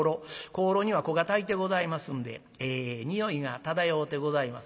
香炉には香がたいてございますんでええ匂いが漂うてございます。